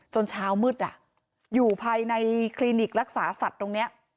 เช้ามืดอยู่ภายในคลินิกรักษาสัตว์ตรงนี้